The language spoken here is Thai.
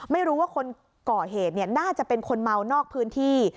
ไม่รู้ว่าคนก่อเหตุน่าจะเป็นคนเมานอกพื้นที่